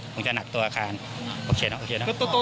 คงจะหนักตัวอาคารโอเคนะโอเคเนอะ